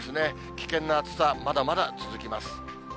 危険な暑さ、まだまだ続きます。